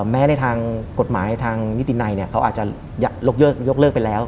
ในทางกฎหมายทางนิตินัยเขาอาจจะยกเลิกไปแล้ว